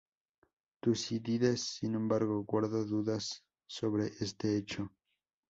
Tucídides, sin embargo, guarda dudas sobre este hecho.